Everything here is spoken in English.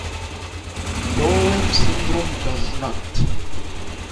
Boehm Syndrome does not.